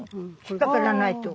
引っ掛からないと。